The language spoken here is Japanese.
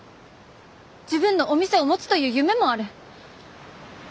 自分のお店を持つという夢もある。